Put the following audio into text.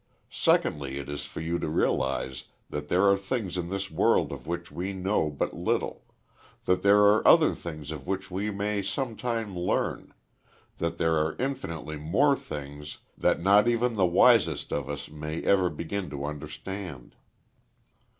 Secondly, it is for you to realize that there are things in this world of which we know but little; that there are other things of which we may sometime learn; that there are infinitely more things that not even the wisest of us may ever begin to understand.